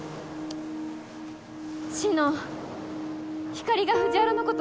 志乃ひかりが藤原のこと